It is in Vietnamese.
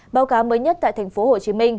báo cáo mới nhất tại tp hcm